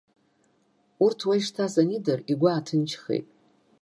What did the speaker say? Урҭ уа ишҭаз анидыр, игәы ааҭынчхеит.